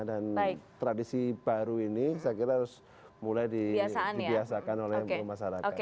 dan tradisi baru ini saya kira harus mulai dibiasakan oleh masyarakat